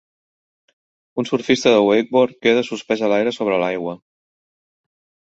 Un surfista de wakeboard queda suspès a l'aire sobre l'aigua.